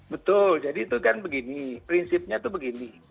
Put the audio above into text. betul jadi itu kan begini prinsipnya itu begini